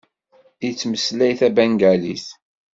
Yettmeslay tabengalit.